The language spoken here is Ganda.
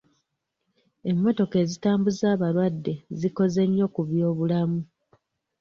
Emmotoka ezitambuza abalwadde zikoze nnyo ku by'obulamu.